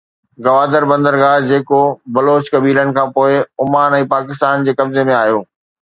گوادر بندرگاهه جيڪو بلوچ قبيلن کان پوءِ عمان ۽ پوءِ پاڪستان جي قبضي ۾ آيو